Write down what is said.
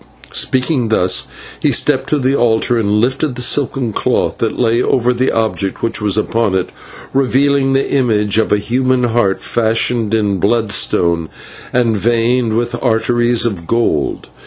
Speaking thus, he stepped to the altar and lifted the silken cloth that lay over the object which was upon it, revealing the image of a human heart fashioned in bloodstone and veined with arteries of gold.